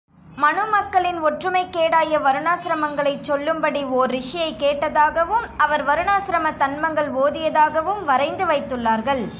மனுமக்களின் ஒற்றுமைக்குக்கேடாய வருணாசிரமங்களைச் சொல்லும்படி ஓர் ரிஷியைக் கேட்டதாகவும், அவர் வருணாசிரம தன்மங்கள் ஓதியதாகவும் வரைந்து வைத்துள்ளார்கள்.